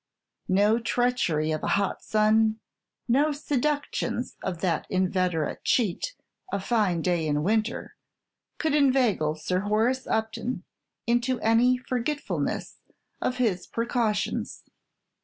No treachery of a hot sun, no seductions of that inveterate cheat, a fine day in winter, could inveigle Sir Horace Upton into any forgetfulness of his precautions.